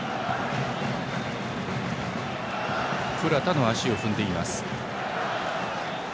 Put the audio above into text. プラタの足を踏んでいます。